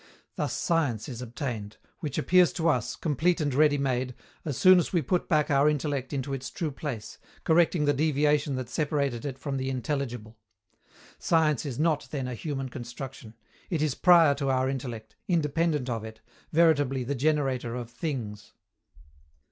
Thus Science is obtained, which appears to us, complete and ready made, as soon as we put back our intellect into its true place, correcting the deviation that separated it from the intelligible. Science is not, then, a human construction. It is prior to our intellect, independent of it, veritably the generator of Things.